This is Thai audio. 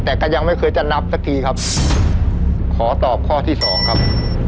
แต่ก็ยังไม่เคยจะนับสักทีครับขอตอบข้อที่สองครับ